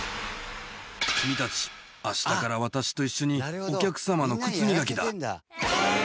君たち明日から私と一緒にお客様の靴磨きだ！